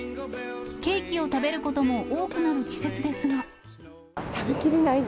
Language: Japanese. ケーキを食べることも多くなる季節ですが。